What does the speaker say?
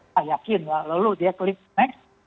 saya yakin lalu dia klik next